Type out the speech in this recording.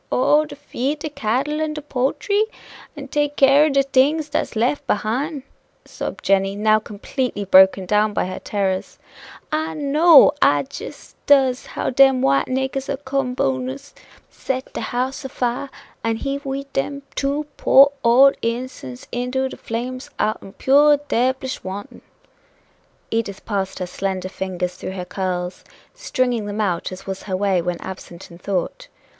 "Oh! to feed de cattle and de poultry? and take care o' de things dat's lef behine," sobbed Jenny, now completely broken down by her terrors. "I know I jis does how dem white niggers o' Co'bu'ns 'ill set de house o' fire, an' heave we dem two poor old innocen's into de flames out'n pure debblish wanton!" Edith passed her slender fingers through her curls, stringing them out as was her way when absent in thought.